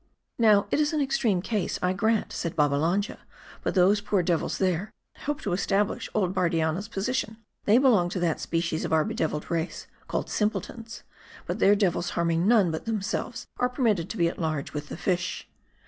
" Now, it is an extreme case, I grant," said Babbalanja, " but those poor devils there, help to establish old Bardian 364 MARDI. na's position. They belong to that species of our bedeviled race, called simpletons ; but their devils harming none but themselves, are permitted to be at large with the fish.